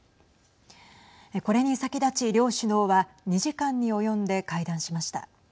これに先立ち両首脳は２時間に及んで会談しました。